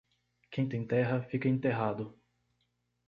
Quem tem terra, fica enterrado.